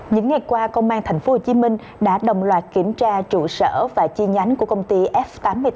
những ngày qua công an tp hcm đã đồng loạt kiểm tra trụ sở và chi nhánh của công ty f tám mươi bốn